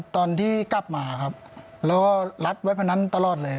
ตอนที่กลับมาครับแล้วก็รัดเว็บพนันตลอดเลย